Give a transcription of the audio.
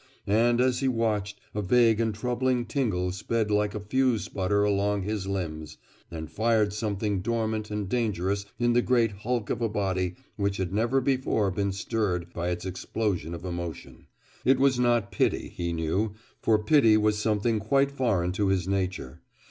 And as he watched, a vague and troubling tingle sped like a fuse sputter along his limbs, and fired something dormant and dangerous in the great hulk of a body which had never before been stirred by its explosion of emotion. It was not pity, he knew; for pity was something quite foreign to his nature.